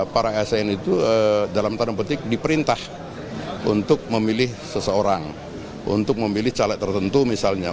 para asn itu dalam tanda petik diperintah untuk memilih seseorang untuk memilih caleg tertentu misalnya